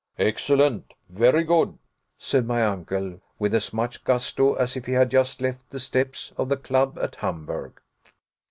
"Excellent very good," said my uncle, with as much gusto as if he had just left the steps of the club at Hamburg.